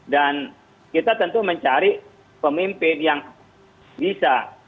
dan kita tentu mencari pemimpin yang bisa